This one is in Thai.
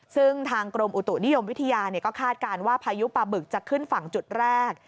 ซึ่งทางกรมอุตุนิยมวิทยาก็คาดการณ์ว่าพายุปลาบึกจะขึ้นฝั่งจุดแรก